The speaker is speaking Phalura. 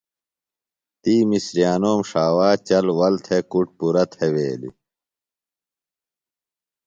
تی مِسریانوم ݜاوا چل ول تھےۡ کُڈ پُرہ تِھویلیۡ۔